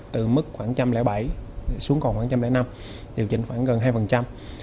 từ mức khoảng trăm linh bảy xuống còn khoảng một trăm linh năm điều chỉnh khoảng gần hai